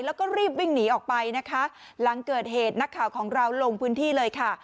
แล้วก็รีบวิ่งหนีออกไปนะคะหลังเกิดเหตุนักข่าวของเราลงพื้นที่เลยค่ะ